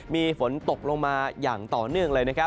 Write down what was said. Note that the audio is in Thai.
มีฝนตกลงมาอย่างต่อเนื่องเลยนะครับ